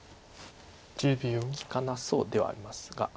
利かなそうではありますが。